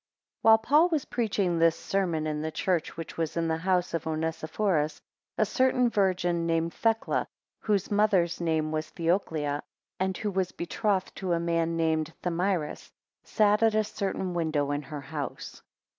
WHILE Paul was preaching this sermon in the church which was in the house of Onesiphorus, a certain virgin named Thecla (whose mother's name was Theoclia, and who was betrothed to a man named Thamyris) sat at a certain window in her house.